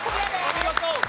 お見事！